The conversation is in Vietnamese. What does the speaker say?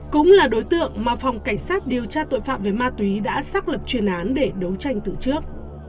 cũng là đối tượng mà phòng cảnh sát điều tra tội phạm về ma túy đã xác lập chuyên án để đấu tranh từ trước